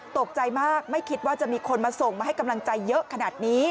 ตกใจมากไม่คิดว่าจะมีคนมาส่งมาให้กำลังใจเยอะขนาดนี้